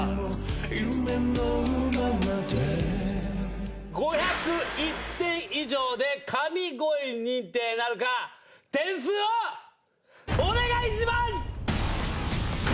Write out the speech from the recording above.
夢のままで５０１点以上で神声認定なるか⁉点数をお願いします！